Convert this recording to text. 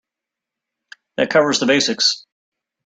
That covers the basics.